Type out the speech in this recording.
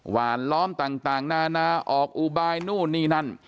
หวานล้อมต่างนานาออกอุบายนู่นนี่นั่น